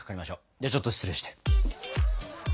ではちょっと失礼して。